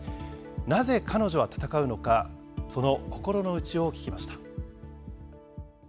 なぜ彼女は戦うのか、その心の内を聞きました。